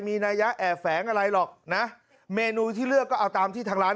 มีนายะแอบแฝงอะไรหรอกนะเมนูที่เลือกก็เอาตามที่ทางร้าน